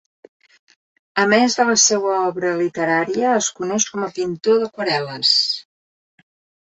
A més de la seua obra literària es coneix com a pintor d'aquarel·les.